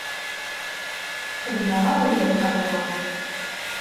Xedmeɣ-awen-d lqahwa.